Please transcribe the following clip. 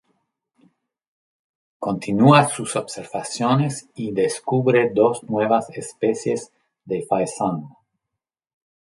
Continua sus observaciones y descubre dos nuevas especies de faisán.